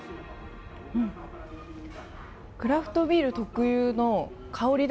クラフトビール特有の香り